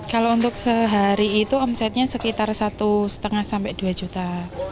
kalau untuk sehari itu omsetnya sekitar satu lima sampai dua juta